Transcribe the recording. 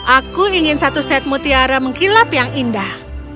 aku ingin satu set mutiara mengkilap yang indah